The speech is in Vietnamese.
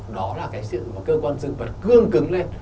đó là cái sự cơ quan dương vật cương cứng lên